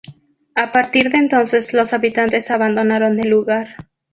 A partir de entonces los habitantes abandonaron el lugar.